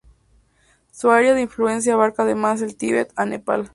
Su área de influencia abarca además del Tíbet a Nepal.